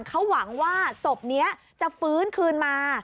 เขาหวังว่าศพนี้จะฟื้นคืนมา